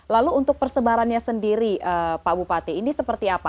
lalu untuk persebarannya sendiri pak bupati ini seperti apa